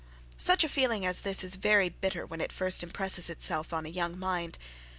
Such a feeling as this is very bitter when it first impresses itself on a young mind.